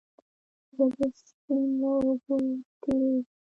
زه د سیند له اوبو تېرېږم.